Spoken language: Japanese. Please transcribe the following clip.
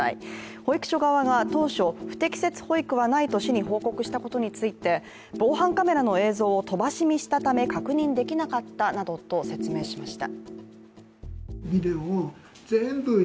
保育所側が当初、不適切保育はないと市に報告したことについて防犯カメラの映像を飛ばし見したため確認できなかったなどと説明しました。